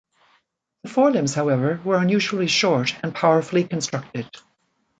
The forelimbs, however, were unusually short and powerfully constructed.